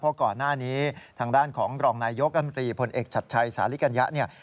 เพราะก่อนหน้านี้ทางด้านของรองนายยกรัฐมนตรีพลเอกชัดชัยสาลิกัญญะเนี่ย